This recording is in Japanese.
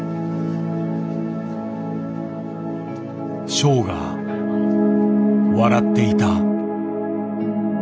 ショウが笑っていた。